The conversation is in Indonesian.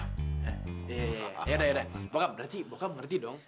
iya iya iya yaudah iya iya bokap berarti bokap ngerti dong